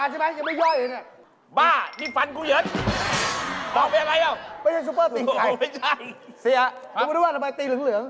เสียผมไม่รู้ว่าทำไมตีเหลือง